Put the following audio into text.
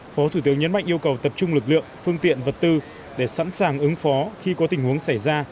phó thủ tướng nhấn mạnh yêu cầu tập trung lực lượng phương tiện vật tư để sẵn sàng ứng phó khi có tình huống xảy ra